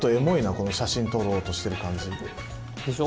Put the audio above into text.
この写真撮ろうとしてる感じ。でしょ。